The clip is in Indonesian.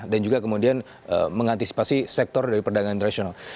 dan juga kemudian mengantisipasi sektor dari perdagangan internasional